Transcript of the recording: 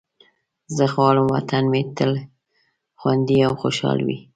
زه غواړم وطن مې تل خوندي او خوشحال وي.